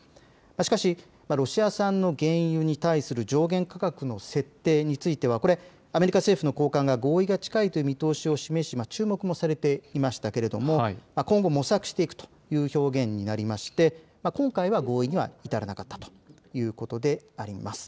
しかし、ロシア産の原油に対する上限価格の設定についてはこれ、アメリカ政府の高官が合意が近いと見通しを示し注目もされていましたけれども、今後模索していくという表現になりまして、今回は合意には至らなかったということであります。